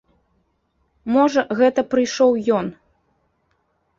Можа, гэта прыйшоў ён.